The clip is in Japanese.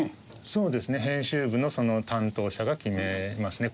そうですね編集部のその担当者が決めますね。